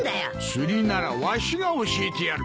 釣りならわしが教えてやる。